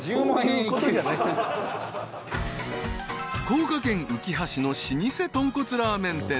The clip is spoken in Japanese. ［福岡県うきは市の老舗豚骨ラーメン店］